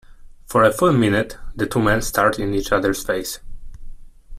For a full minute the two men stared into each other's face.